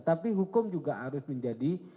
tapi hukum juga harus menjadi